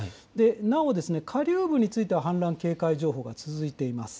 なお下流部については氾濫警戒情報が続いています。